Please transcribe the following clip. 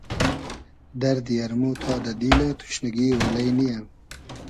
دئردی ارمۉ تا دۂ دیلۂ توشنیگی اۉلݷ نییۂ